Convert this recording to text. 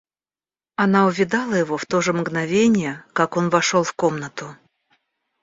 Она увидала его в то же мгновение, как он вошел в комнату.